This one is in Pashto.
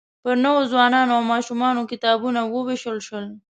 پر نوو ځوانانو او ماشومانو کتابونه ووېشل شول.